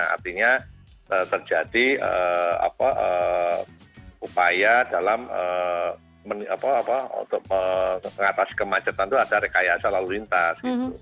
artinya terjadi upaya dalam untuk mengatasi kemacetan itu ada rekayasa lalu lintas